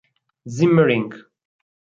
Zimmer Inc.